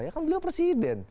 ya kan beliau presiden